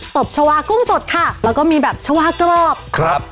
ตบชาวากุ้งสดค่ะแล้วก็มีแบบชาวากรอบครับ